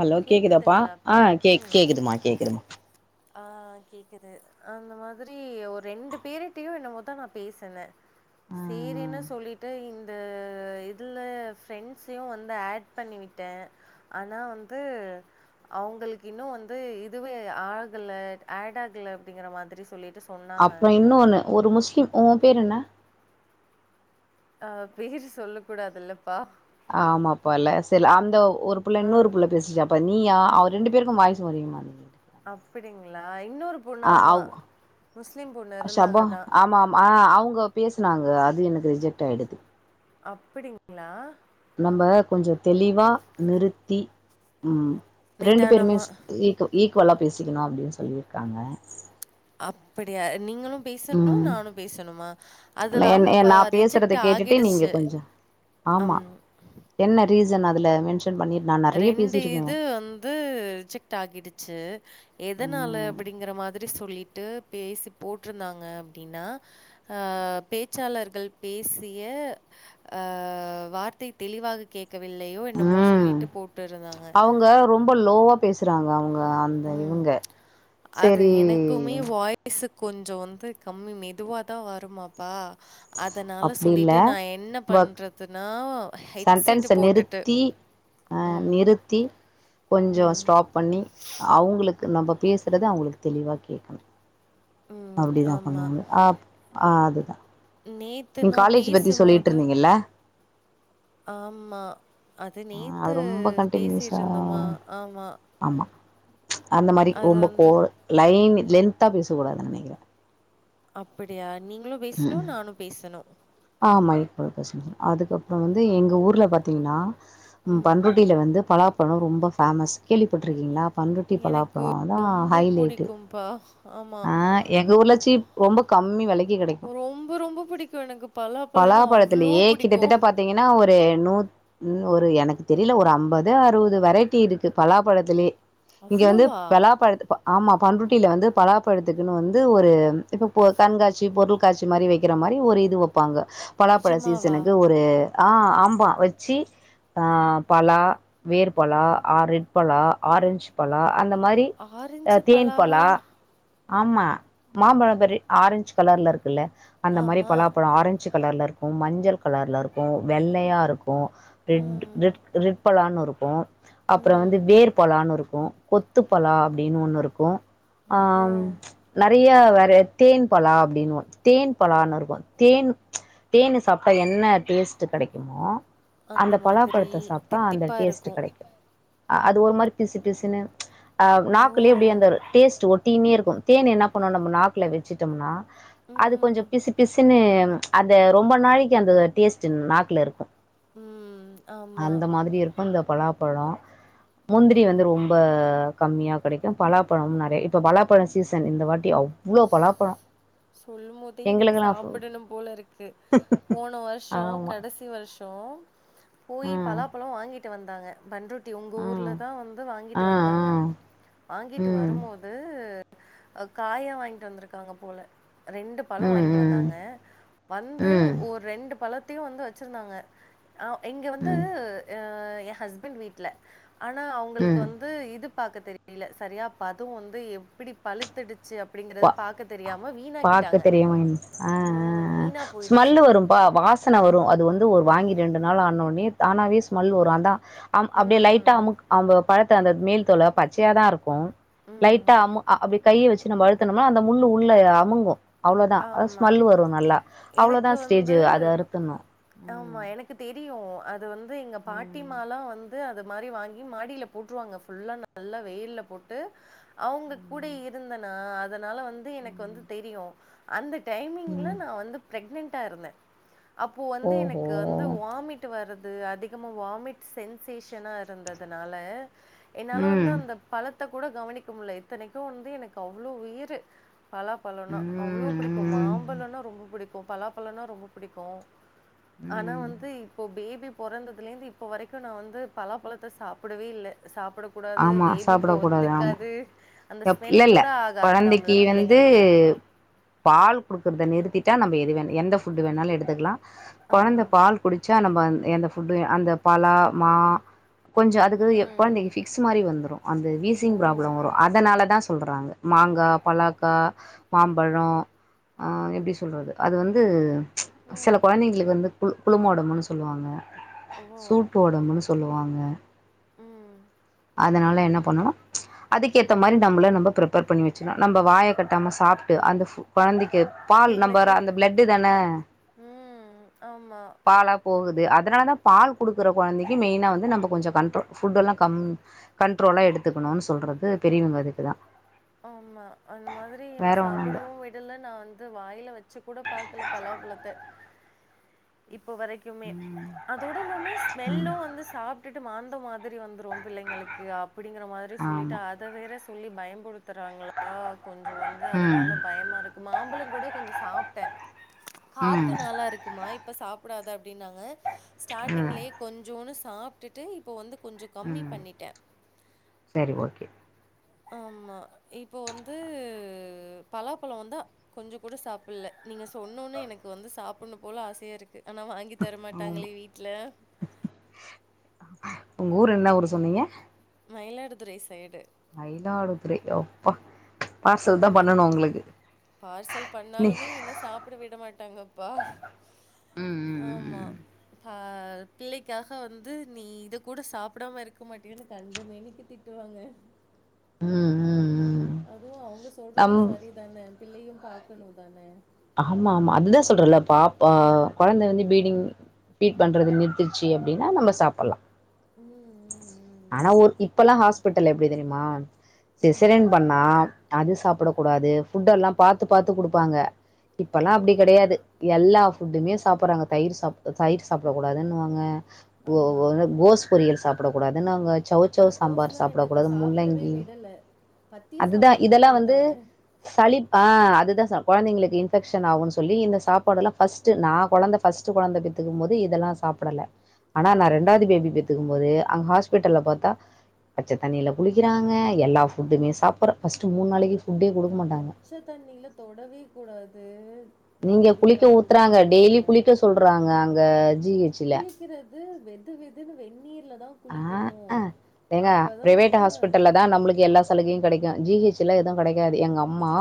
Hello கேக்குதாப்பா கேக்குதுங்களாப்பா? ஆஹ் கேக் கேக்குதுமா கேக்குதுமா ஆஹ் கேக்குது அந்த மாதிரி ஒரு ரெண்டு பேரிட்டையும் என்ன மொத்தான் நான் பேசனேன் ஆ சேரின்னு சொல்லிட்டு இந்த இதுல பிரண்ட்ஸையும் வந்து ஆட் பண்ணி விட்டேன் ஆனா வந் து அவங்களுக்கு இன்னும் வந்து இதுவே ஆகல ஆட் ஆகல அப்படிங்கற மாதிரி சொல்லிட்டு சொன்னாங்க. அப்பறம் இன்னொ ஒண்ணு ஒரு முஸ்லிம் உம் பேர் என்ன ஆஹ் பேரு சொல்ல கூடாதுல்லப்பா ஆமாப்பல சில அந்தோவ் ஒரு புள்ள இன்னொரு ம். புள்ளை பேசிச்சாப்பன் நீயா அவர் ரெண்டு பேருக்கும் வாய்சு ஒரே மாரி இருக் அப்படிங்களா இன்னொரு பொண்ணு ஆமா அவ் முஸ்லீம் பொண்ணு இருந்தாங்க தான் உங்க பேசுனாங்க அது எனக்கு ரிஜெக்ட் ஆயிடுது அப்படிங்களா நம்ம கொஞ்சம் தெளிவா நிறுத்தி உம் ரெண்டு பேருமே நிதானமா. ஸ் ஈக்கோ ஈக் ஈக்குவலா பேசிக்கணும் அப்படின்னு சொல்லியிருக்காங்க அப்படியா நீங்களும் பேசணும் ம் நானும் பேசணுமா அதுல என் ஆமா என் பா நா பேசுறத ரிஜெக்ட் கேட்டுட்டு நீங்க ஆகிடுச்சு கொஞ்சோ ஜன் அதல மென்ஷ் ரெண்டு இது வந்து ரிஜெக்ட் ஆகிடுச்சு எதனால ம் அப்படிங்கற மாதிரி சொல்லி ட்டு பேசி போட்டிருந்தாங்க அப்படின்னா ஆன் பேச்சாளர்கள் பேசிய அ வார்த்தை தெளிவாக கேட் கவில்லையோ என்னமோ சொல்லி ம் இருக் அவங்க ரொம்ப லோவா பேசுறாங்க அவங்க வா அந்த ம். இவங்க சரி ஸ் கொஞ்சம் வந்து கம்மி மெதுவாதான் வருமாப்பா அதனால அப்டி இல்ல சொல்லிட்டு நான் என்ன ஒர்க் பண்றதுன்னா ஹெட்சிட்டு சென்டன்ஸ போட்டுட்டு நிறுத்தி அ உம் நிறுத்தி உம் அவங்களுக் நம்ம பேசுறது அவங்களுக்கு தெளிவா கேட்கணும் ம். அப்படிதான் ஆமா. பண்ணாங்க அ ஆஹ் அதுதான் நேத்து நீங்க நான் காலேஜ் பத்தி சொல்லிட்டு பேசும்போது இருந்தீங்கல்ல ஆமா அது ஆ அது நேத்து ரொம்ப பேசிட்டு கண்டினியூஸா இருந்தோமா ஆமா ஆமா அந்த மாரி அது ரொம்ப கோ வந்து லைன்னு இது லென்தா பேச கூடாது நினைக்கிறேன் அப்படியா நீங் களும் பேசனும் நானும் பேசணும் அதுக்கப்புறம் வந்து எங்கள் ஊர்ல பாத்தீங்கன்னா உ ம். பண்ருட்டில வந்து பலாப் பழம் ரொம்ப ஃபேமஸ் கேள்விப்பட்டுருக்கீங்களா பண்ருட்டிட எனக்கு பலாப்பழம் அதான் ஹை ரொம்ப லைட்டு பிடிக்கும்பா. ஆமா. ஆஹ எங்க ஊர்லாச்சு சீப் ரொம்ப கம்மி விலக்கி கிடைக் ரொம்ப ரொம்ப பிடிக்கும் எனக்கு பலாப்பழம்னா அவ்ளோ பலாபழத்துலயே பிடிக்கும். கிட்டத்தட்ட பாத்தீங்கனா ஒரு நூத் ஒரு எனக்கு தெரில ஒரு அம்பது அறுவது வெரைட்டி இருக்கு பலாபழத்துலே இங்க வந்து அவ்ளோவா? பலாபழத் ப ஆமா பண்ருட்டில வந்து பலாப்பழத்துக்குன் வந்து ஒரு இப்ப கண்காட்சி பொருள் காட்சி மாரி வைக்கிற மாரி ஒரு இது வப்பாங்க பலாபழ நிஜமாவா? சீசனுக்கு ஒரு ஆ ஆம்பா வச்சி பலா வேர் பலா ஆ ரெட் பலா ஆரஞ்சு பலா அந்த மாரி அ ஆரஞ்சு தேன் பலாவா? பலா ஆமா மாம்பழ மரி ஆரஞ்ச் கலர்லருக் குல்ல அந்த மாரி ஆமா. பலாபழ ஆரஞ்சுக் கலர்லருக்கூ மஞ்சள் கலர்லருக்கூ வெள்ளையாருக் க்கூ ரெட் ம். ரெட் ரெட் பலான்னுருக் க்கூ அப்புற ம். வந்து வேர் பலானுருக் க்கூ கொத்து பலா அப்டினு ஒண்ணுருக்கூ ஆ‌ ஓ! நறிய வேற தேன் பலா அப்டின்னுவொ தேன் பலான்னுருக்கு தேன் தேன் சாப்ட்டா என்ன டேஸ்ட்டு கெடைக்குமோ அந்த மாதிரி பலாப்பழத்த சாப்ட்டா அந்த தித்திப்பா டேஸ்ட்டு இருக்கும். கெடைக்கு அது ஒரு மாரி பிசு பிசுனு ஆ ஓ! நாக்குலேப்டிய அந்தரு டேஸ்ட்டு ஒட் டீனேருக்கு தேன் என்ன பண்ணோ நம்ம நாக்குல வச்சுட்டம்னா அது கொஞ்ச ம். பிசு பிசுனு அந்த ரொம்ப நாளைக்கு அந்த டேஸ்ட்டு நாக்குல இருக்கு ம். ஆமா. அந்த மாதிரி இருக்கு இந்த பலா பழோ முந்திரி ம். வந்து ரொம்ப கம்மியா கெடைக்கும் பலாப்பழம் நெறை இப்ப பலாப்பழ சீசன் இந்த வாட்டி அவ்ளோ பலாப்பழொ சொல்லும் போதே எனக்கு சாப்புடணும் போல இருக்கு போன வருஷொ ஆமா கடைசி வருஷொ போய் ஆ பலாப்பழொ வாங்கிட்டு வந்தாங்க பண்ருட்டி உங்க ஆ ஊர்ல தா வந்து வாங்கிட்டு ஆ ஆ வந்தாங்க வாங்கிட்டு ம் வரும்மோது காயா வாங்கிட்டு வந்துருக்காங்க போல ரெண்டு பழொ ம் வாங்கிட்டு ம் வந்தாங்க வந்து ம் ஒ ரெண்டு பழ த்தையு வந்து வச்சுருந்தாங்க ஆ இங்க வந்து ம் அ ஏ ஹஸ்பண்ட் வீட்ல ஆனா அவங்களுக்கு ம் வந்து இது. பாக்க தெரியல சரியா அதும் வந்து எப்படி பழுத்துடுத். ச்சு ப அப்படிங்கறது பாக்க தெரியாம வீணாக்கி. பாக்க தெரியாம ஆஹஹஹ போயிடுச்சு. ஸ்மெல்லு வரும்பா வாசன வரு அது வந். து ஒரு வாங்கி ரெண்டு நாள் ஆனோனே தானாவே ஸ்மெல் வரு அதா. அம் அப்படியே ம். லைட்டா அமுக் அவ பழத். த அந்த மேல்தோள பச்சையாதா இருக்கு. ம். லைட்டா அம்மு அ அப்படி கைய வச்சு. நம்ம அழுத். துனம்னா அந்த முள்ளு உள்ள அமுங்கு. அவ்வளோதா ஆமா. ஸ்மெல் வரு நல்லா. அவ்வளோதா எனக்கு ஸ்டேஜ் வந்து அதைன அறுத்தன்னு ஆமா. உம். எனக்கு தெரியும். அது வந்து எங்க பாட்டிமாலா வந்து. அது மாரி வாங்கி மாடியில போட்டுருவாங்க நல்லா வெயில போட்டு. அவங்க கூடயே இருந்தனா அதனால வந்து. வந்து ம் எனக்கு வந்து தெரியு. அந்த. டைமிங்ல ம் நா வந்து பிரெக்னன்ட். ட்டா இருந்த. அப்போ வந்து ஓஹோ எனக்கு வந்து வாமிட் வரது. அது அதிகமாக வாமிட் சென்சேஷன இருந்ததுனால. என்னால வந்து ம் அந்த பழத். த்த கூட கவனிக்க முடியல இத்தனைக்கு வந்து எனக்கு அவ்வளோ உயிரு. பலா பழன்னா அவ்வளோ. ம் புடிக்கு ம் மாம்பழோன்னா ரொம்ப. புடிக்கு பலா பழனா ரொம்ப புடிக்கு. ஆனா ம் வந்து இப்போ பேபி. பொறந்ததுலருந்து இப்ப வரைக்கு நா வந்து பலா பழத்த சாப்பிடவே இல்ல சாப். ப்படக்க கூடாது பேபிக்கு ஒத்துக்காது. அந்த எப் ஸ்மெல் இல்லில்ல கூட ஆகாதாம்ல கொழந்தைக்கு வந்து. பிள்ளைங்களுக்கு. பால் குடுக்குறத நிறுத்திட்டா நம்ம எது வேணு எந்த ஃபுட் வேணாலு எடுத்துக்கலா. கொழந்த ம். பால் குடிச்சா நம்ம. எந்த ஃபுட்டு அந்த பழா மா. கொஞ்சோ அதுக்குது எப் ம். கொழந்தைக்கு பிக்ஸ் மாரி வந்துரு. அந்த ஓ! வீசிங் ப்ராப்ளொ வரு அதனால தா சொல்றாங்க மாங்கா பலாக்கா மாம்பழொ ஆ எப்டி சொல்றது அது வந்து சில ம். கொழந்தைங்களுக்கு வந்து பு புலுமோடமுனு சொல்வாங்க ஓ! சூட்டு ஒடம்புன் சொல்லுவாங்க உம் அதுனால என்ன பண்ணனு அதுக்கேத்த மாரி நம்பள நம்ப ப்ரிப்பேர் பண்ணி வச்சுனு நம்ப வாய கட்டாம சாப்ட்டு அந்த கொழந்தை க்கு பால் நம்ப ர பிள்ளைக்கு அந்த ப்ளட்டு தான ம். ஆமா, பாலா போகுது அ துனா தா பால் குடுக்குற கொழந்தைக்கி மெயினா வந்து நம்ப கொஞ்ச கண்ட்ரோ ஃபுட்டெல்லா கம் கண்ட்ரோலா எடுத்துக்கணுன் சொல்ற து பெரியவங்க அதுக்குதா ஆமா அந்த மாதிரி என்ன ஒன்னு இல்ல சாப்புடவு விடல நா வந்து வாயில வச்சு கூட பாக்கல பலாப்பழத்த இப்ப வரைக்குமே ம் அதோடல்லாம ஸ்மெல்லு ம் வந்து சாப்டுட்டு மாந் ந்த மாதிரி வந்துரு பிள்ளைங்களுக்கு அப் அப்புடிங்குற மாதிரி சொல்லிட்டு ஆமா அத வேற சொல்லி பயம்புடுத் துராங்ளா கொஞ்சொ வந்து ம் அதனால பயமா இருக்கு மாம்பழம் கூட கொஞ்ச‌ சாப்டே காத்து ம் நல்லா இருக்குமா இப்ப சாப் புடாது அப்டின்னாங்க ம் ஸ்டார்டிங்லயே கொஞ்சோனு சாப்டுட்டு இப்போ வந்து கொஞ்சம் கம்மி உம் பண்ணிட்டேன். செரி ஓகே ஆமா இப்போ வந்து பலாப்பழொ வந்தா கொஞ்சொ கூட சாப்புல்ல நீங்க சொன்னேன எனக்கு வந்து சாப்புன்ணும் போல ஆசையா இருக்கு ஆனா வாங்கி ஆமா தரமாட்டாங்களே வீட்ல உங்க ஊரு என்ன ஊரு சொன்னீங்க மயிலாடுதுறை சைடு மயிலாடுதுறை ஓ அப்பா பார்சல் தா ஆமா பண்ணணு உங்களுக்கு பார்சல் பண்ணாலுமே என்ன சாப்பிட விட மாட் ட்டாங்கப்பா ம் ம் ஆமா ம் ஆ பிள்ளைக்காக வந்து நீ இத கூட சாப்புடாம இருக்க மாட்டியானு கண்ட மேனிக்கு திட்டுவாங்க உம் உம் அதுவு அவுங்க சொல்றது சரிதானே பிள்ளையு பாக்கணு தானே ஆமா ஆமா அதுதா சொல்றல பாப்பா குழந்த வந்து பீடிங் பீட் பண்றது நிறுத்துச்சி அப்டின்னா நம்ம சாப்பல்லா ம் ம் ம் ஆனா ஒரு இப்பல்லா ஹாஸ் பிட்டல் எப்டி தெரிமா ம் சிசெரின் பண்ணா அது சாப்பிட கூடாது ஃபுட் எல்லா பாத்து பாத்து குடுப்பாங்க இப்பல்லா ஓ அப்டி கிடையாது எல்லா ஃபுட்டுமே சாப்புறாங்க தயிர் சாப் தயிர் சாப்பிட கூடாதுன்னுவாங்க ஒ ஆமா ஒரு கோஸ் பொரியல் சாப் பிடக்கூடாதுன்னுவாங்க சவுச்சவு சாம்பார் கோஸ்லா எனக்கு சாப்பிடக்கூடாது சாப்பிடவே முள்ளங்கி விடல பத்திய அதுதா சாப்பாடு தா இதெல்லா வந்து குடுத்தாங்க சளி பா இதுதா சாப் கொழந்தைங்களுக்கு இன்ஃபெக்ஷன் ஆகும் சொல்லி இந்த சாப்பாடெல்லா ஃபஸ்ட் நா குழந்த ஃபஸ்ட் குழந்த பெத்துக்கும் போது இதல்லா சாப்பிடல ஆனா நா ம் ரெண்டாவது பேபி பெத்துக்கும் போது அங்க ஹாஸ்பிட்டல்ல பாத்தா பச்ச தண்ணியில குளிக்கிறாங்க எல்லா ஃபுட்டுமே சாப்பர ஃபஸ்ட் மூண் நாளைக்கி பச்ச தண்ணியில தொடவே கூடாது நீங்க அப்படிங்கிற குளிக்க மாதிரி ஊத்றாங்க டெய்லி சொல்லுவாங்க குளிக்க சொல்றாங்க நாங்க ஜி எச் ல து வெது வெதுனு வெண் அ அ எங்க அப்பதா பிரைவேட் வந்து ஹாஸ்பிட்டல்ல தா நம்ளுக்கு எல்லா சலுகையு கிடைக்கு ஜி எச் ல எதுவு கிடைக்காது எங்க அம்மா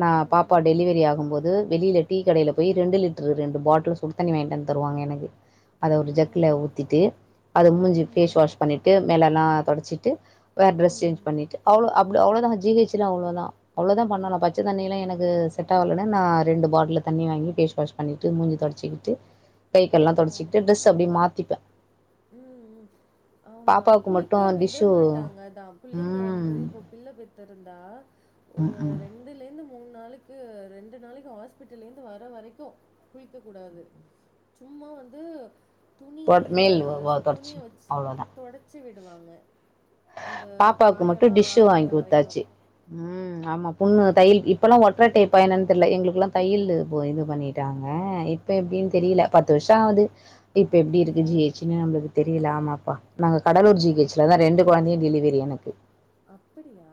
நா ம் பாப்பா டெலிவரி ஆகும் போது வெளில டீ ஓ கடையில போயி ரெண்டு லிட் ட்ரு ரெண்டு பாட்டில் சுடுத்தண்ணி வாங்டன் தருவாங்க எனக்கு அத ஒரு ஓ ஜக்குல ஊத்திட்டு அத மூஞ்சி ம் பண்ணிட்டு மேல எல்லா தொடச்சிட்டு வேற ட்ரஸ் சேஞ்ச் ம் பண்ணிட்டு அவ்ளோ அவ் உங்கள அவ்ளோதா ஜி எச் லா அவ்ளோதா அவ்ளோதா பண்ணணு பச்சதண்ணில எனக்கு செட் ஆவலனன்னா ரெண்டு பாட்ல்ல தண்ணி வாங்கி பேஸ் வாஷ் பண்ணிட்டு மூஞ்சி தொடச்சிகிட்டு கைக்கெல்லா தொடச்சிகிட்டு ட்ரெஸ் அப்டியே மாத்திப்பே உம் உ ஆமா பாப்பாவுக்கு குளிக்க மட்டு விட டிஷ்ஷு மாட்டாங்க தா பிள்ளைங்க வந்து ம் இப்போ பிள்ள பெத் ருந்தா ஒரு ம் ரெண்டுலேந்தும் மூண் நாளைக்கு ரெண்டு நாளைக்கு ஹாஸ்பிட்டல்லேருந்து வர வரைக்கு குளக்க கூடாது சும்மா வந்து துணி தொட ஈர மேல் துணிய தொடச்சிவிட்டுரு வச்சு அவ்ளோதா. தொடச்சி விடுவாங்க. அந்த பாப்பாவுக்கு மட்டும் காயெல்லா டிஷ்ஷு ஆறுற வாங்கி வரைக்கு குடுத்தாச்சு உம். ஆமா புண்ணு தையல் இப்பல்லா ஒற்ற டேப்பா என்னன்னு தெரியல எங்களுக்கெல்லா தையலு இது பண்ணிட்டாங்க இப்ப எப்படின்னு தெரியல பத்து வருஷோ ஆகுது. இப்ப எப்படி இருக்கு அப்படியா ஜிஹெச்சின்னு நம்மளுக்கு தெரியல. ஆமாப்பா. நாங்க கடலுர் ம் ஜிஹெச்லதா ரெண்டு குழந்தையுமே. தெரில எனக்கு. அப்படியா.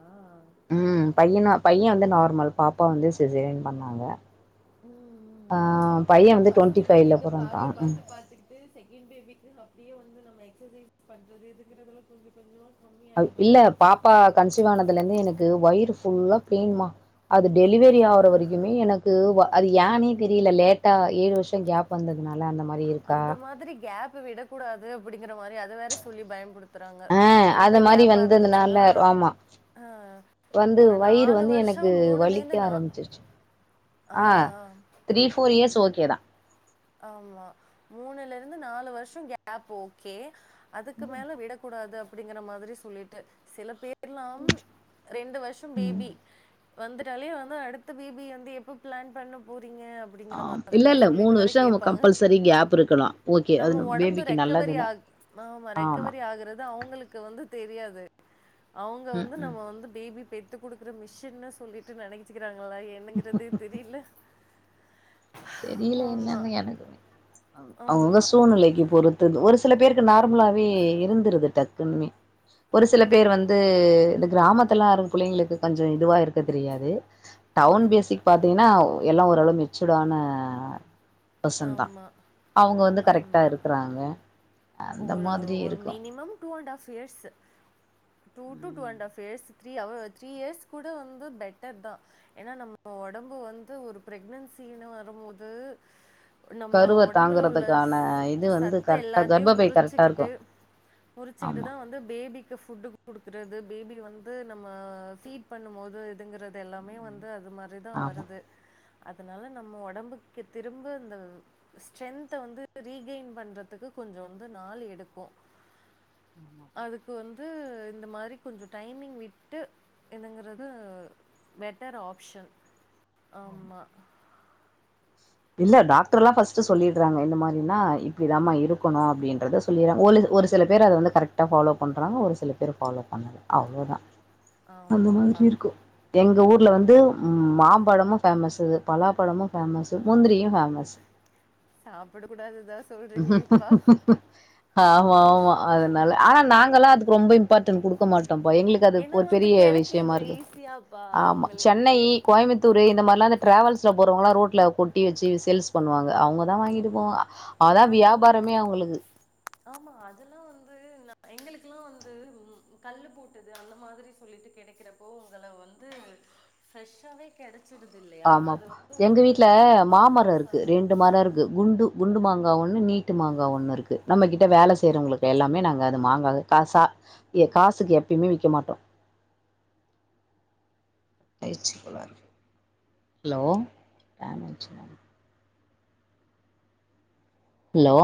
உம் பையனா பைய வந்து நார்மல் பாப்பா வந்து சிசேரியன் பண்ணாங்க. உம் ஆ உ உ பையன் அதா வந்து டுவெண்ட்டி ஃபஸ்ட்டு ஃபைவ்ல பேபிக்கு பாத்து பிறந்தான் பாத்து பாத்துக்கிட்டு செக்கெண் பேபிக்கு அப்படியே. ந்து நம்ம எக்சசைஸ் பண்றது இருக்குறதுல கொஞ்சோ கொஞ்சோ. அ இல்ல பாப்பா கன்சிவானதுல இருந்து எனக்கு வயிறு. ஃபுல்லா பெயின்மா. அது டெலிவரி ஆற அப்படிங்களா வரைக்குமே எனக்கு வ. அது ஏனே தெரியல லேட்டா ஏழு வருஷோ கேப் வந்ததுனா. ல அந்த மாரி இருக்கா. இப்ப விடக்கூடாது அப்படி. ங்கிற மாரி அத வேற சொல்லி பயன்புடுத்துறாங்க. ஆ ரொம்ப அது மாரி கேப்பா வந்ததுனால இருந்துச்சுன்னா ஆமா அஹ வந்து ஒரு வயிறு நாலு வந்து வருஷோ எனக்கு வலிக்க மூணுலேந்து நா ஆரம்பிச்சிருச்சு ஆஹ. கேதா. ஆமா மூணுல இருந்து நாலு வருஷோ கேப் ஓகே. அதுக்கு மேல விடக்கூடாது அப். அப்படிங்கிற மாதிரி சொல்லிட்டு. சில பேர். ல்லாம் ரெண்டு வருஷம் பேபி. வந்துட்டாலே வந்து அடுத்த பேபி வந்து எப்ப பிளான் பண்ண போறிங். றீங்க ஆ அப்படிங்கிற இல்ல மாதிரிதா இல்ல சொல்லிட்டு மூணு வரைக். வருஷம் கேட்பாங்க. கம்பல்சரி கேப் இருக்கலா ஓகே நம்ம அது ஒடம்பு பேபிக்கு ரெக்கவரி நல்லதுதா ஆமா ரெக்கவரி ஆகுறது அவங்களுக்கு வந்து தெரியாது. து. அவங்க ம் வந்து ம் நம்ம வந்து பேபி பெத். பெத்து குடுக்குற மிஷின்னு சொல்லிட்டு நெனைச்சிக்கிறாங்க. ங்களா என்னங்கறது தெரியல. தெரியல என்னன்னு. எனக்கு அவங்க ஆமா அவங்க சூழ்நிலைக்கு பொறுத்தது ஒரு. சில பேருக்கு நார்மலாவே இருந்துருது டக்குன்னுமே ஒரு சில பேர் ம் வந்து இந்த கிராமத் துல எல்லாம் இருக்குற பிள்ளைங்களுக்கு கொஞ்சம் இதுவா இருக்க தெரியாது டவுன் ம். பேஸிக் பாத்தீங்கன்னா எல்லாம் ஓரளவு மெச்சுடான அஹ் பசன் தான் ஆமா. அவுங்க வந்து கரெக்ட்டா ஆமா. இருக்குறாங்க அந்த மாதிரி இருக்கும் years two two two and half years three அவ த்ரீ இயர்ஸ் கூட வந்து பெட்டர் தான் ஏன்னா நம்ம உடம்பு வந்து ஒரு ப்ரெக்னன்சினு வரும் போது கருவ தாங்குறதுக்கான இது வந்து கரெக்ட்டா த்தையும் முறிச்சுக்கிட்டு ஆமா முறிச்சுக்கிட்டுதான் வந்து பேபி புட்டுக்கு கொடுக்குறது பேபி வந்து நம்ம பீட் பண்ணும் போது இதுங்கிறது எல்லாமே வந் து அது மாரிதான் ஆமா வருது அதனால நம்ம உடம்புக்கு திரும்ப அந்த ஸ்ட்ரென்த வந்து ரீகெயின் பண்றதுக்கு கொஞ்சம் வந்து நாள் எடுக்கும் ஆமாப்பா அதுக்கு வந்து இந்த மாரி கொஞ்சம் டைமிங் விட்டு இதுங்கிறது பெட்டர் ஆப்ஷன் ஆமா இல்ல டாக்டர் எல்லாம் ஃபர்ஸ்ட் சொல்லிடுறாங்க இந்த மாதிரினா இப்படிதாம்மா இருக்கணும் அப்படின்றத சொல்லறாங்க ஒரு ஒரு சில பேர் அதை வந்து கரெக்ட்டா ஃபாலோ பண்றாங்க ஒரு சில பேர் ஃபாலோ பண்ணல அவ்ளோ தான் அந்த மாதிரி ஆமாப்பா. இருக்கும் எங்க ஊர் வந்து மாம்பழமும் பேமஸ் பலா பழமும் பேமஸ் முந்திரியும் ஃபேமஸ் சாப்பிட கூடாதுதான் சொல்றீங்களே பா ஆமா ஆமா அதனால ஆனா நாங்க ஈல்லாம் அதுக்கு ரொம்ப இம்பார்ட்டன் கொடுக்க மாட் டோம் எங்களுக்கு அது ஏன்னா ஒரு வந்து பெரிய விஷயமா கெடைக்குது இருக்கு ஈஸியாப்பா ஆமா உங்களுக்கு. சென்னை கோயம்புத்தூர் இந்த மாரிலாம் டிராவல்ஸ்ல போறவங்க எல்லாம் ரோட்ல பொட்டி வச்சு சேல்ஸ் பண்ணுவாங்க அங்க தான் வாங்கிட்டு போவோம் அதல்லாம் ஆமா அதெல்லாம் வந்து எங்களுக்கல்லாம் வந்து கல்லு போட்டுது அந்த மாதிரி சொல்லிட்டு கிடைக்கிறப்போ உங்கள வந்து ஃப்ரெஷ்ஷாவே கிடைச் ஆமா பா எங்க வீட்டுல மாமரம் இருக்கு வரப்பிரசாதம். ரெண்டு மரம் இருக்கு குண்டு குண்டு மாங்காய் ஒண்ணு நீட்ட மாங்காய் ஒண்ணு இருக்கு நம்ம கிட்ட வேலை செய்யறவங்களுக்கு எல்லாமே நாங்க அது மாங்கா காசா காசுக்கு எப்பயுமே விற்க்க மாட்டோம் பயிற்ச்சி கோளாறு ஹலோ டேமேஞ் ஹலோ